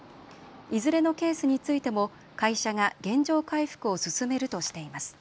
いずれのケースについても会社が原状回復を進めるとしています。